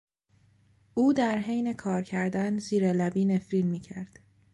او در حین کار کردن، زیر لبی نفرین میکرد.